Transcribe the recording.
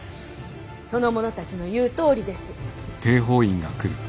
その者たちの言うとおりです。